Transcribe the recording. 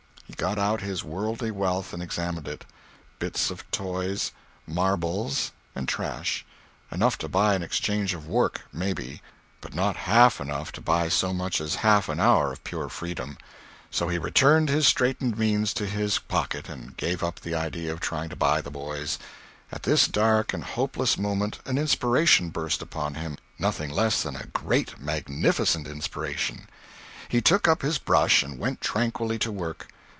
He got out his worldly wealth and examined it—bits of toys, marbles, and trash; enough to buy an exchange of work, maybe, but not half enough to buy so much as half an hour of pure freedom. So he returned his straitened means to his pocket, and gave up the idea of trying to buy the boys. At this dark and hopeless moment an inspiration burst upon him! Nothing less than a great, magnificent inspiration. He took up his brush and went tranquilly to work.